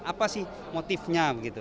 apa sih motifnya